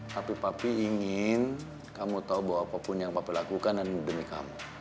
tapi papi ingin kamu tau bahwa apapun yang papi lakukan adalah demi kamu